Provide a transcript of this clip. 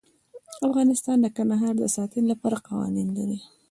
افغانستان د کندهار د ساتنې لپاره قوانین لري.